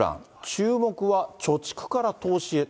注目は貯蓄から投資へ。